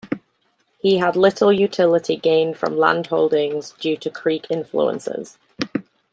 He had little utility gained from land holdings due to Creek influences.